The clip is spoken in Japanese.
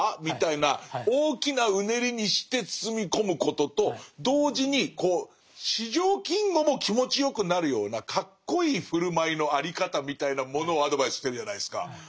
みたいな大きなうねりにして包み込むことと同時に四条金吾も気持ちよくなるようなかっこいい振る舞いの在り方みたいなものをアドバイスしてるじゃないですか。